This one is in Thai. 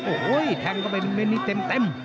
โอ้โหแทงเข้าไปเม้นนี้เต็ม